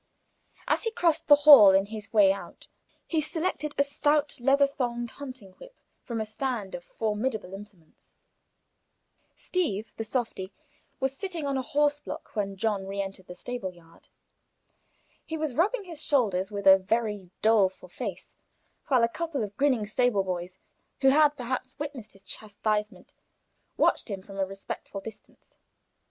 As he crossed the hall in his way out, he selected a stout leather thonged hunting whip from a stand of formidable implements. Page 60 Steeve, the softy, was sitting on a horse block when John re entered the stable yard. He was rubbing his shoulders with a very doleful face, while a couple of grinning stable boys, who had perhaps witnessed his chastisement, watched him from a respectful distance.